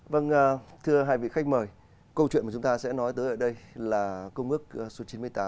vâng thưa hai vị khách mời câu chuyện mà chúng ta sẽ nói tới ở đây là công ước số chín mươi tám